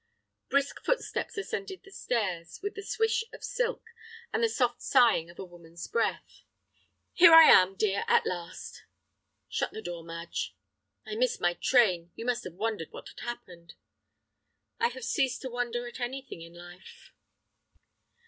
Brisk footsteps ascended the stairs, with the swish of silk, and the soft sighing of a woman's breath. "Here I am, dear, at last." "Shut the door, Madge." "I missed my train. You must have wondered what had happened." "I have ceased to wonder at anything in life."